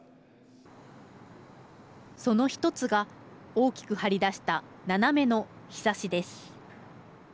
その１つが大きく張り出した斜めのひさしです。